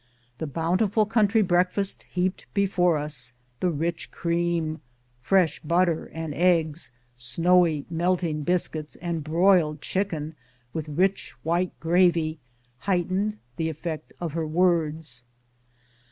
The bountiful country breakfast heaped before us, the rich cream, fresh butter and eggs, snowy, melting biscuits, and broiled chicken, with rich, white gravy, heightened the effect of her words.